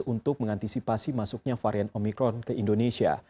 untuk mengantisipasi masuknya varian omikron ke indonesia